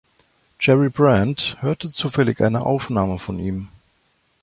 Jerry Brandt hörte zufällig eine Aufnahme von ihm.